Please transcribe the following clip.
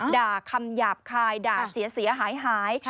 ด่าคำหยาบคายด่าเสียหาย